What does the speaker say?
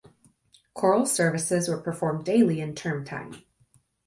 Choral services were performed daily in term time.